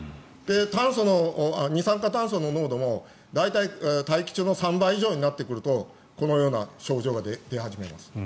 二酸化炭素の濃度も大体大気中の３倍以上になってくるとこのような症状が出始めます。